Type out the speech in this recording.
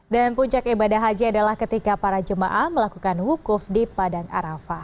dan puncak ibadah haji adalah ketika para jemaah melakukan wukuf di padang arafah